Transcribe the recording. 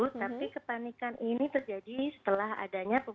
tapi kepanikan ini terjadi setelah adanya